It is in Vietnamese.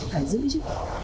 phải giữ chứ